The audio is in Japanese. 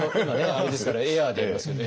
あれですからエアーでいきますけど。